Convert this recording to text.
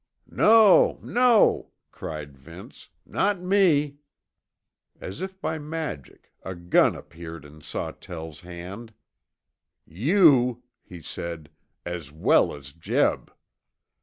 "No, no," cried Vince, "not me!" As if by magic a gun appeared in Sawtell's hand. "You," he said, "as well as Jeb."